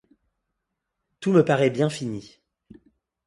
Tout me paraît bien fini.